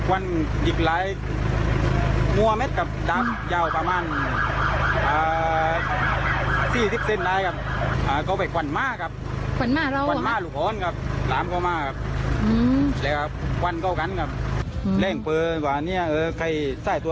อันนี้พูดตรงหาให้กาศนะค่ะอ่าคือไล่ฟันหมาไล่ทำร้ายหมาไล่ทำร้ายทับไอ้สัตว์